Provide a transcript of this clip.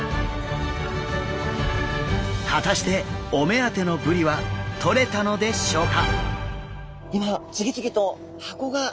果たしてお目当てのブリはとれたのでしょうか？